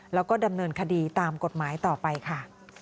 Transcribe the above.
แล้วก็ดำเนินคดีตามกฎหมายต่อไปค่ะ